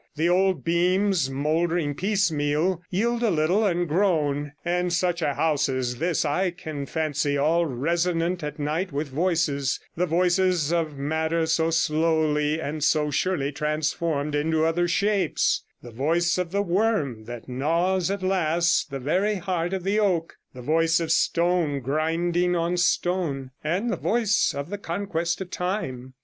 The old beams, mouldering piecemeal, yield a little and groan; and such a house as this I can fancy all resonant at night with voices, the voices of matter so slowly and so surely transformed into other shapes, the voice of the worm that gnaws at last the very heart of the oak, the voice of stone grinding on stone, and the voice of the conquest of Time.'